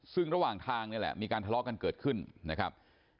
ซึ่งระหว่างทางนี่แหละมีการทะเลาะกันเกิดขึ้นนะครับ